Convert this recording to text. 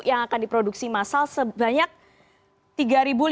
yang akan diproduksi massal sebanyak rp tiga lima ratus